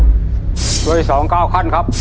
ตัวเลือกที่สอง๙ขั้นครับ